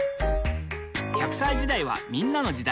磽隠娃歳時代はみんなの時代。